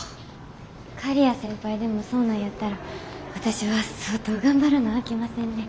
刈谷先輩でもそうなんやったら私は相当頑張らなあきませんね。